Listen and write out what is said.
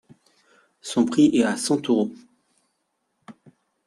Son prix est à cent euros.